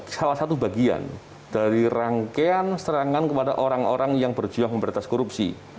salah satu bagian dari rangkaian serangan kepada orang orang yang berjuang memberantas korupsi